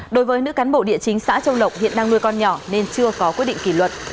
đối với nữ cán bộ địa chính xã châu lộc hiện đang nuôi con nhỏ nên chưa có quyết định kỷ luật